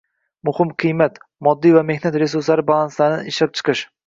muhim qiymat, moddiy va mehnat resurslari balanslarini ishlab chiqish